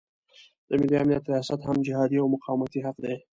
د ملي امنیت ریاست هم جهادي او مقاومتي حق دی.